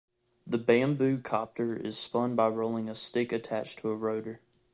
The bamboo-copter is spun by rolling a stick attached to a rotor.